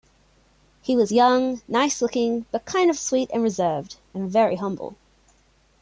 He was young, nice-looking, but kind of quiet and reserved, and very humble.